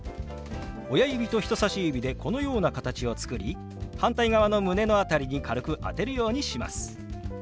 親指と人さし指でこのような形を作り反対側の胸の辺りに軽く当てるようにします。